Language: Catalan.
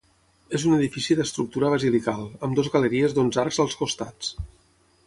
És un edifici d'estructura basilical, amb dues galeries d'onze arcs als costats.